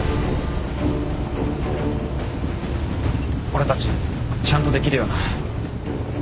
俺たちちゃんとできるよな？